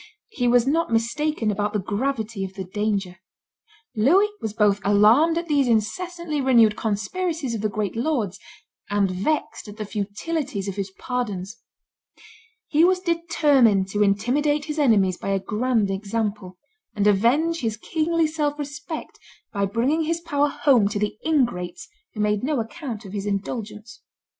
He was not mistaken about the gravity of the danger. Louis was both alarmed at these incessantly renewed conspiracies of the great lords and vexed at the futility of his pardons. He was determined to intimidate his enemies by a grand example, and avenge his kingly self respect by bringing his power home to the ingrates who made no account of his indulgence.